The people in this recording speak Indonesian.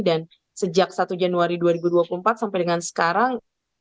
dan sejak satu januari dua ribu dua puluh empat sampai dengan sekarang